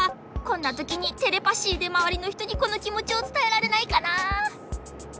こんなときにテレパシーでまわりのひとにこのきもちをつたえられないかな。